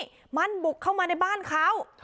มันบุกเข้ามาในบ้านเขา